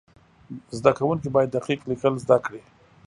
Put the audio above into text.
زده کوونکي باید دقیق لیکل زده کړي.